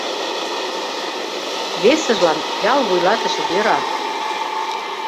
— Весыжлан ял вуйлатыше йӧра.